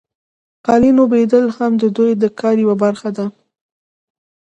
قالین اوبدل هم د دوی د کار یوه برخه وه.